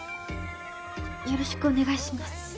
よろしくお願いします。